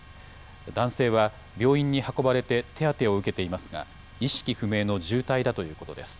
男性は病院に運ばれて手当てを受けていますが意識不明の重体だということです。